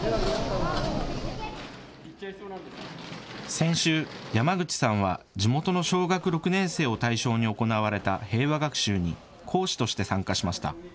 先週、山口さんは地元の小学６年生を対象に行われた平和学習に講師として参加しました。